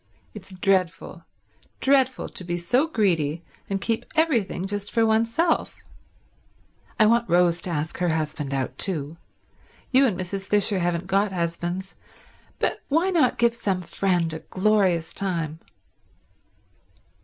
It's dreadful, dreadful to be so greedy and keep everything just for oneself. I want Rose to ask her husband out too. You and Mrs. Fisher haven't got husbands, but why not give some friend a glorious time?"